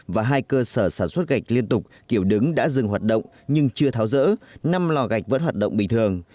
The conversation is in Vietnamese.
và hai cơ sở sản xuất gạch liên tục kiểu đứng đã dừng hoạt động nhưng chưa tháo rỡ năm lò gạch vẫn hoạt động bình thường